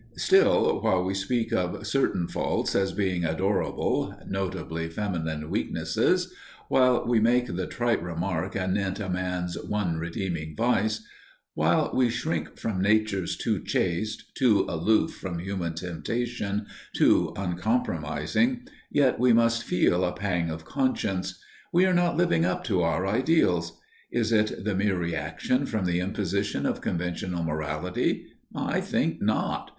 Still, while we speak of certain faults as being adorable (notably feminine weaknesses), while we make the trite remark anent a man's "one redeeming vice," while we shrink from natures too chaste, too aloof from human temptation, too uncompromising, yet we must feel a pang of conscience. We are not living up to our ideals. Is it the mere reaction from the impositions of conventional morality? I think not.